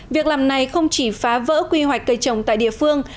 việc làm này không chỉ phá vỡ quy hoạch cây trồng tại địa phương